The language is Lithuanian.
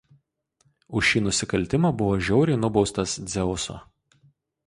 Už šį nusikaltimą buvo žiauriai nubaustas Dzeuso.